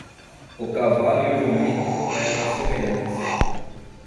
O cavalo e o jumento eram semelhantes.